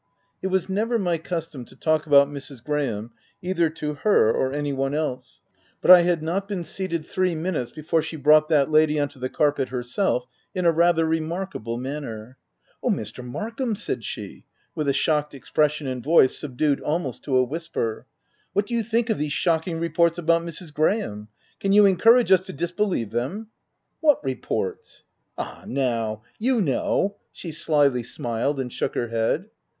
It was never my custom to talk about Mrs. Graham either to her or any one else ; but I had not been seated three minutes, before she brought that lady on to the carpet herself, in a rather remarkable manner. "Oh, Mr. Markham!' , said she, with a shocked expression and voice subdued almost to a whisper —" what do you think of these shocking reports about Mrs. Graham? — can you encourage us to disbelieve them?" " What reports ?" 152 THE TENANT u Ah, now ! you know ! M she slyly smiled and shook her head.